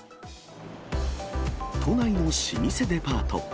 都内の老舗デパート。